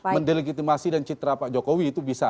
mendelegitimasi dan citra pak jokowi itu bisa